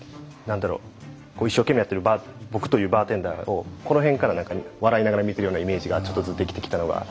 一生懸命やってる僕というバーテンダーをこの辺から笑いながら見てるようなイメージがちょっとずつできてきたのが。